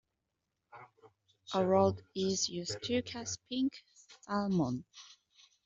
A rod is used to catch pink salmon.